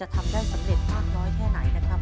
สำเร็จมากน้อยแท้ไหนนะครับ